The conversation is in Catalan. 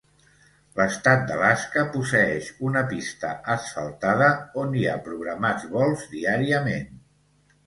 L'estat d'Alaska posseeix una pista asfaltada, on hi ha programats vols diàriament.